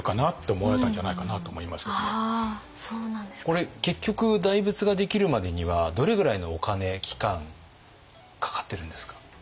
これ結局大仏ができるまでにはどれぐらいのお金期間かかってるんですか？